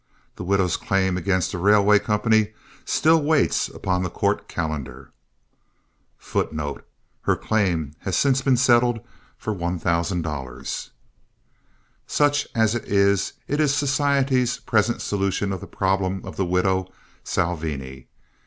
The widow's claim against the railway company still waits upon the court calendar. Her claim has since been settled for $1000. Such as it is, it is society's present solution of the problem of the widow Salvini.